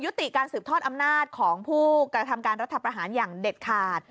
ติการสืบทอดอำนาจของผู้กระทำการรัฐประหารอย่างเด็ดขาด